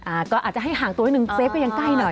อาจจะให้ห่างตัวหนึ่งเซฟไปกันทีหนึ่ง